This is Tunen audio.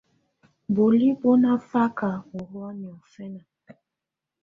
Bɔ̀óli bù nà faka ù hɔ̀á niɔ̀fɛna.